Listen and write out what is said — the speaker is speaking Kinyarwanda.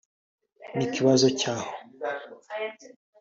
ni ikibazo cyaho